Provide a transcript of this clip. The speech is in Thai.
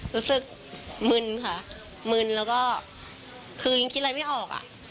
รู้สึกมึนค่ะมึนแล้วก็คือยังคิดอะไรไม่ออกอ่ะ